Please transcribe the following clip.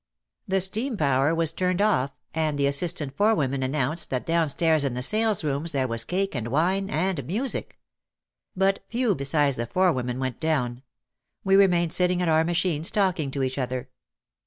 The steam power was turned off and the assistant forewomen announced that downstairs in the salesrooms there was cake and wine and music. But few besides the forewomen went down. We remained sitting at our machines talking to each other.